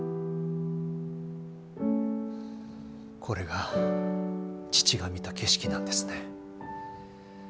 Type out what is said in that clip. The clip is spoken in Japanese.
これが父が見た景色なんですね。